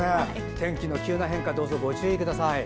天気の急な変化どうぞご注意ください。